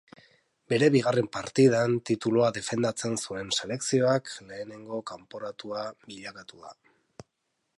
Bere bigarren partidan, titulua defendatzen zuen selekzioak lehenengo kanporatua bilakatu da.